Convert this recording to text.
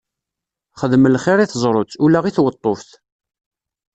Xdem lxiṛ i teẓrut, ula i tweṭṭuft!